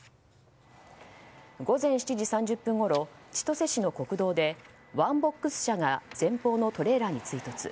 午前７時３０分ごろ千歳市の国道でワンボックス車が前方のトレーラーに追突。